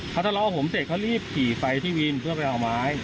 ก็รอผมเสร็จเขารีบขี่ไฟที่วิ่งเพื่อไปเอาไม้